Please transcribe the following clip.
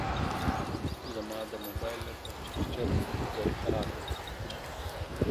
زما د موبایل د چارجر ځای خراب دی